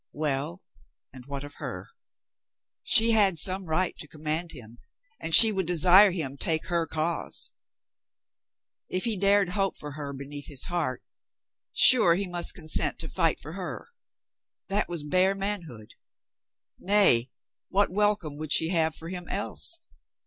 Well, and what of her? She had some right to command him, and she would desire him take her cause. If he dared hope for her be neath his heart, sure he must consent to fight for her. That was bare manhood. Nay, what welcome would she have for him else?